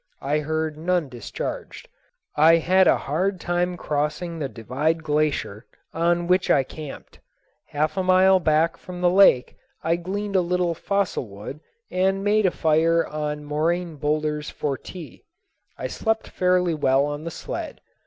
I heard none discharged. I had a hard time crossing the Divide Glacier, on which I camped. Half a mile back from the lake I gleaned a little fossil wood and made a fire on moraine boulders for tea. I slept fairly well on the sled.